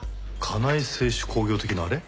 家内制手工業的なあれ？